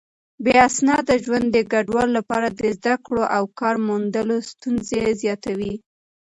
بې اسناده ژوند د کډوالو لپاره د زده کړو او کار موندلو ستونزې زياتوي.